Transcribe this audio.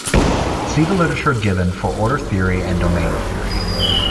See the literature given for order theory and domain theory.